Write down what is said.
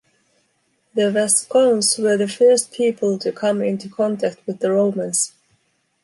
The Vascones were the first people to come into contact with the Romans.